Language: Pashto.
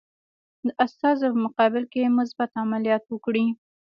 د استازو په مقابل کې مثبت عملیات وکړي.